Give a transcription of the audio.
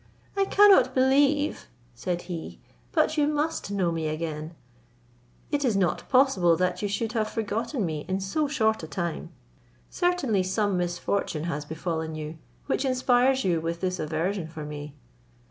"I cannot believe," said he, "but you must know me again; it is not possible that you should have forgotten me in so short a time. Certainly some misfortune has befallen you, which inspires you with this aversion for me.